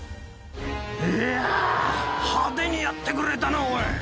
いやー、派手にやってくれたな、おい。